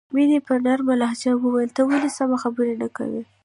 مینه په نرمه لهجه وویل ته ولې سمه خبره نه کوې